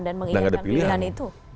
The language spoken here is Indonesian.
dan mengingatkan pilihan itu